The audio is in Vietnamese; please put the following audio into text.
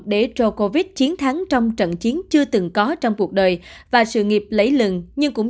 để ro covid chiến thắng trong trận chiến chưa từng có trong cuộc đời và sự nghiệp lấy lừng nhưng cũng